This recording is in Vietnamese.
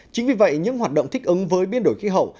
chính vì vậy những hoạt động thích ứng với biến đổi khí hậu